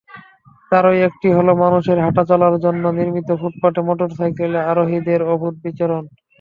তারই একটি হলো মানুষের হাঁটাচলার জন্য নির্মিত ফুটপাতে মোটরসাইকেল আরোহীদের অবাধ বিচরণ।